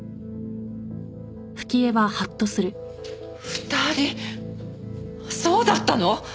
２人そうだったの？